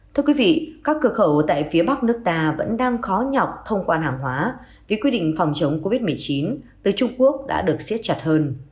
thưa quý vị các cửa khẩu tại phía bắc nước ta vẫn đang khó nhọc thông quan hàng hóa vì quy định phòng chống covid một mươi chín từ trung quốc đã được siết chặt hơn